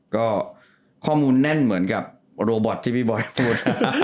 ก็ข้อมูลแน่นเหมือนกับโรบอทที่พี่บอยพูด